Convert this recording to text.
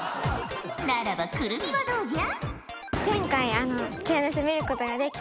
ならば来泉はどうじゃ？